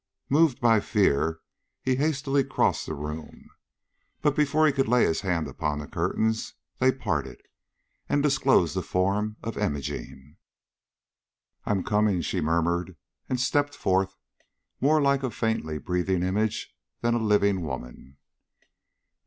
Moved by the fear, he hastily crossed the room. But before he could lay his hand upon the curtains, they parted, and disclosed the form of Imogene. "I am coming," she murmured, and stepped forth more like a faintly breathing image than a living woman.